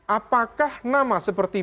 apakah nama seperti